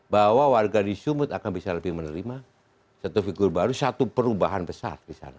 bahwa warga di sumut akan bisa lebih menerima satu figur baru satu perubahan besar di sana